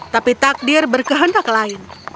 tapi takdir berkehendak lain